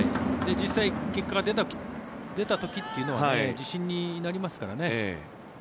実際結果が出た時というのは自信になりますからね。